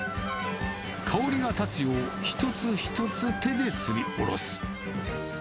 香りが立つよう、一つ一つ手ですりおろす。